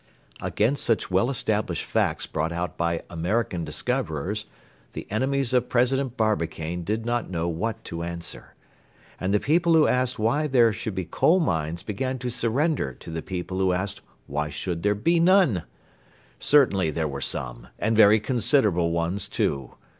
Against such well established facts brought out by American discoverers the enemies of President Barbicane did not know what to answer. And the people who asked why should there be coal mines began to surrender to the people who asked why should there be none. Certainly there were some, and very considerable ones, too.